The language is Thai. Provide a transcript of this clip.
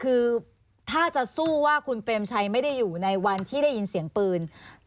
คือถ้าจะสู้ว่าคุณเปรมชัยไม่ได้อยู่ในวันที่ได้ยินเสียงปืน